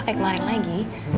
kayak kemarin lagi